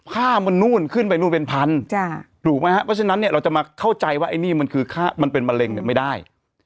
ค่ามันนู่นขึ้นไปนู่นเป็นพันถูกไหมครับเพราะฉะนั้นเนี่ยเราจะมาเข้าใจว่าไอ้นี่มันคือค่ามันเป็นมะเร็งเนี่ยไม่ได้